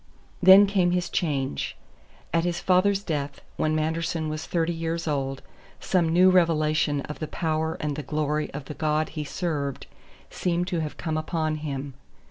Then came his change. At his father's death, when Manderson was thirty years old, some new revelation of the power and the glory of the god he served seemed to have come upon him.